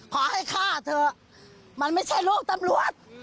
ขอให้ฆ่าเถอะมันไม่ใช่ลูกตำรวจ